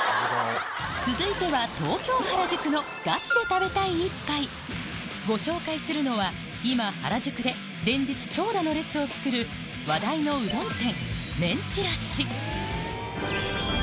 続いては東京・原宿のガチで食べたい一杯ご紹介するのは今原宿で連日長蛇の列をつくる話題のうどん店